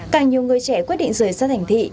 càng nhiều người trẻ quyết định rời xa thành thị